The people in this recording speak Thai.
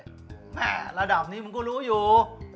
แม่ระดับนี้มันก็รู้อยู่